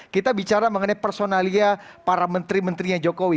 kita bicara mengenai personalia para menteri menterinya jokowi